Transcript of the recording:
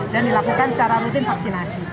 dan dilakukan secara rutin vaksinasi